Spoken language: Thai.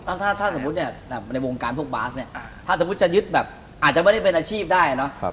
ถ้าสมมุติเนี่ยในวงการพวกบาสเนี่ยถ้าสมมุติจะยึดแบบอาจจะไม่ได้เป็นอาชีพได้เนอะ